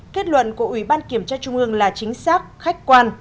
kết luận của ủy ban kiểm tra trung ương là chính xác khách quan